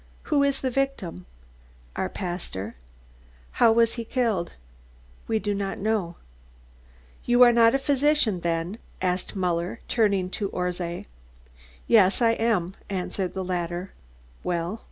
"Who is the victim?" "Our pastor." "How was he killed?" "We do not know." "You are not a physician, then?" asked Muller, turning to Orszay. "Yes, I am," answered the latter. "Well?"